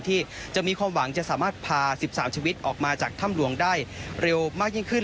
ที่จะมีความหวังจะสามารถพา๑๓ชีวิตออกมาจากถ้ำหลวงได้เร็วมากยิ่งขึ้น